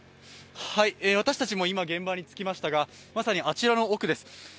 私たちも今、現場に着きましたが、まさにあちらの奥です。